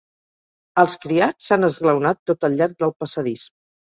Els criats s'han esglaonat tot al llarg del passadís.